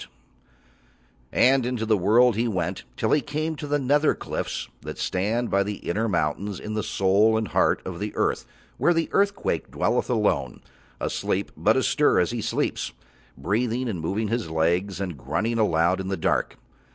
[Illustration: Inzāna calls up the Thunder ] And into the world he went till he came to the nether cliffs that stand by the inner mountains in the soul and heart of the earth where the Earthquake dwelleth alone, asleep but astir as he sleeps, breathing and moving his legs, and grunting aloud in the dark.